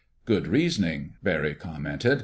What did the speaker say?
"Good reasoning," Barry commented.